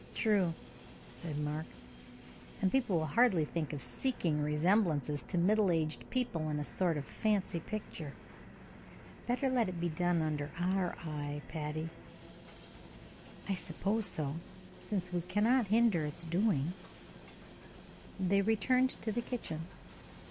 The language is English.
"True," said Mark. "And people will hardly think of seeking resemblances to middle aged people in a sort of fancy picture. Better let it be done under our eye, Patty." "I suppose so, since we cannot hinder its doing." They returned to the kitchen.